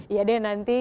iya deh nanti